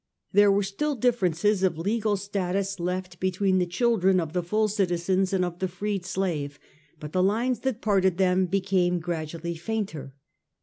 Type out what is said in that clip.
There were still differences of legal status left between the children of the full citizen and of the freed slave, but the lines that parted them became gradually fainter.